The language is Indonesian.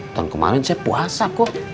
tahun kemarin saya puasa kok